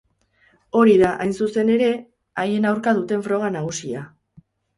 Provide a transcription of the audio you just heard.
Hori da, hain zuzen ere, haien aurka duten froga nagusia.